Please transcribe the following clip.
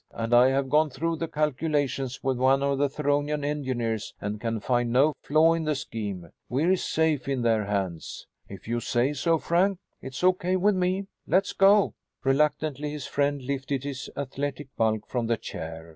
And I have gone through the calculations with one of the Theronian engineers and can find no flaw in the scheme. We're safe in their hands." "If you say so, Frank, it's okay with me. Let's go!" Reluctantly his friend lifted his athletic bulk from the chair.